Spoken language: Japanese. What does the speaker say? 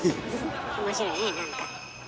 面白いねなんか。